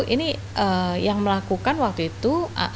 ini yang melakukan waktu itu